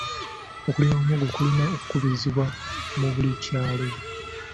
Okulima muwogo kulina okubirizibwa mu buli kyalo.